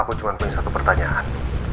aku cuma punya satu pertanyaan